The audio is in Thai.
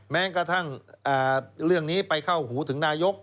แม้กระทั่งเรื่องนี้ไปเข้าหูถึงนายก